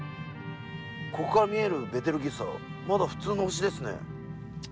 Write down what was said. ここから見えるベテルギウスはまだ普通の星ですね。